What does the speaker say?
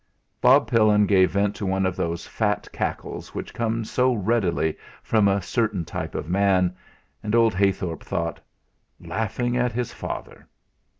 Bob Pillin gave vent to one of those fat cackles which come so readily from a certain type of man; and old Heythorp thought: '.aughing at his father!